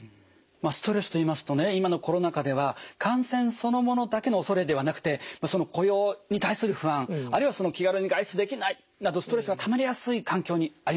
ストレスと言いますとね今のコロナ禍では感染そのものだけの恐れではなくて雇用に対する不安あるいは気軽に外出できないなどストレスがたまりやすい環境にありますよね。